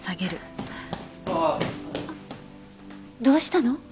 どうしたの？